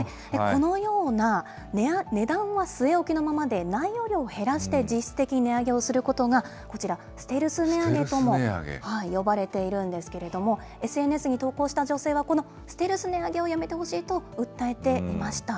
このような、値段は据え置きのままで内容量を減らして実質的に値上げをすることが、こちら、ステルス値上げとも呼ばれているんですけれども、ＳＮＳに投稿した女性は、このステルス値上げをやめてほしいと訴えていました。